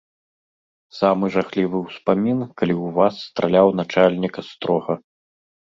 Самы жахлівы ўспамін, калі ў вас страляў начальнік астрога.